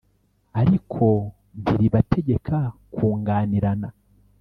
ariko ntiribategeka kunganirana.